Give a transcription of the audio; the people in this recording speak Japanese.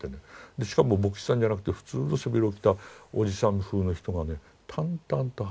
でしかも牧師さんじゃなくて普通の背広を着たおじさんふうの人がね淡々と話してる。